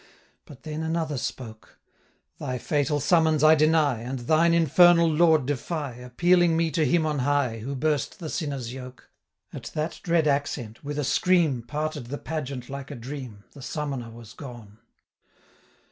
765 But then another spoke: 'Thy fatal summons I deny, And thine infernal Lord defy, Appealing me to Him on high, Who burst the sinner's yoke.' 770 At that dread accent, with a scream, Parted the pageant like a dream, The summoner was gone.